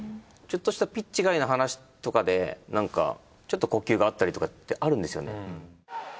ちょっとしたピッチ外の話とかでなんかちょっと呼吸が合ったりとかってあるんですよね。